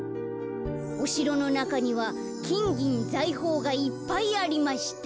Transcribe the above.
おしろのなかにはきんぎんざいほうがいっぱいありました」。